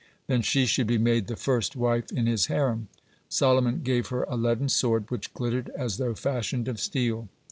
Then she should be made the first wife in his harem. Solomon gave her a leaden sword which glittered as though fashioned of steel.